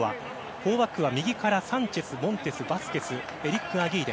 ４バックは右からサンチェスバスケス、エリック・アギーレ。